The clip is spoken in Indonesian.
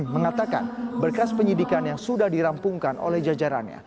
mengatakan berkas penyidikan yang sudah dirampungkan oleh jajarannya